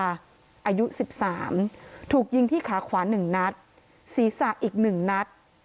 อายุ๑๓ถูกยิงที่ขาขวา๑นัดศีรษะอีก๑นัด